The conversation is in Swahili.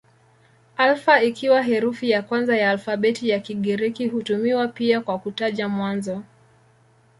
Alfa ikiwa herufi ya kwanza ya alfabeti ya Kigiriki hutumiwa pia kwa kutaja mwanzo.